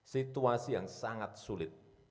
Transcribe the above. situasi yang sangat sulit